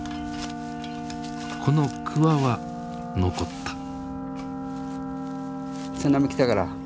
この鍬は残った。